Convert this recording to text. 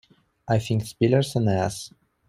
I think Spiller's an ass.